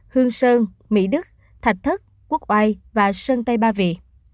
hương sơn mỹ đức thạch thất quốc oai và sơn tây ba vị